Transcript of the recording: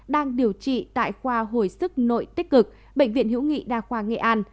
đang điều trị tại khoa hồi sức nội tích cực bệnh viện hữu nghị đa khoa nghệ an